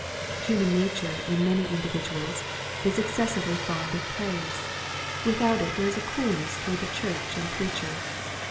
Human nature in many in dividuals is excessively fond of praise. Without it there is a coolness toward the church and preacher.